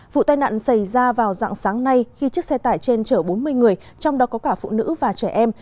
vụ tai nạn xảy ra vào dạng sáng nay khi chiếc xe tải trên chở bốn mươi người trong đó có cả phụ nữ và trẻ em